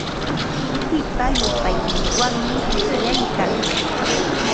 Lintipa llupayninwanmi qishyaykan.